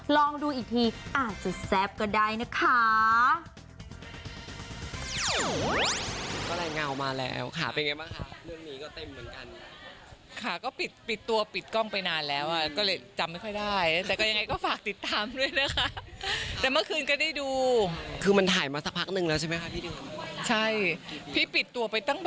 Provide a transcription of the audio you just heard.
ลองดูอีกทีอาจจะแซ่บก็ได้นะคะ